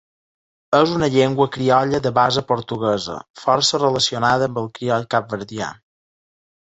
És una llengua criolla de base portuguesa, força relacionada amb el crioll capverdià.